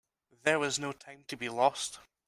There was no time to be lost.